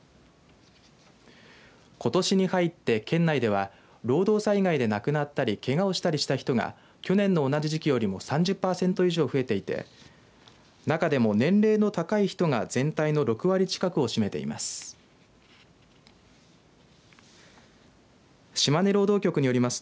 ことしに入って県内では労働災害で亡くなったりけがをしたりした人が去年の同じ時期よりも３０パーセント以上増えていて中でも年齢の高い人が全体の６割近くを占めています。